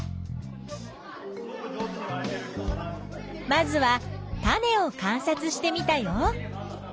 まずは種を観察してみたよ。